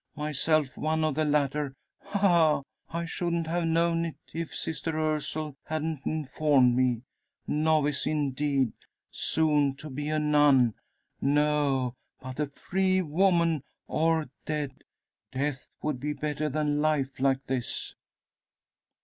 Myself one of the latter! Ha! ha! I shouldn't have known it if Sister Ursule hadn't informed me. Novice, indeed soon to be a nun! No! but a free woman or dead! Death would be better than life like this!"